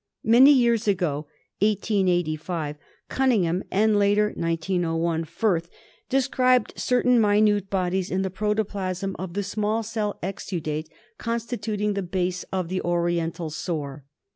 Many years ago — 1885— Cunningham, and later — 1901 — Firth described certain minute bodies in the protoplasm of the small cell exudate constituting the base of the Oriental Sore.